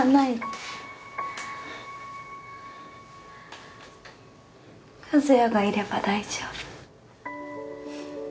一哉がいれば大丈夫。